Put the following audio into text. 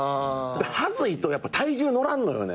はずいとやっぱ体重乗らんのよね。